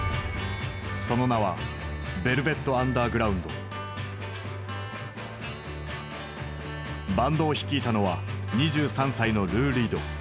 その名はバンドを率いたのは２３歳のルー・リード。